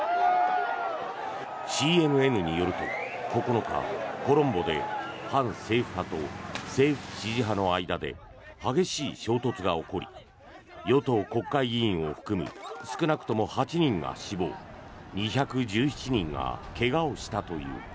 ＣＮＮによると９日コロンボで反政府派と政府支持派の間で激しい衝突が起こり与党国会議員を含む少なくとも８人が死亡２１７人が怪我をしたという。